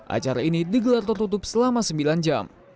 acara ini digelar tertutup selama sembilan jam